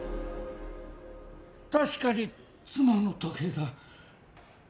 確かに妻の時計だ。